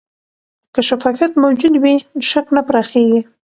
که شفافیت موجود وي، شک نه پراخېږي.